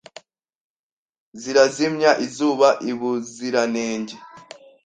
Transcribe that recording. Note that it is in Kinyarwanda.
Zirazimya izuba i Buziranenge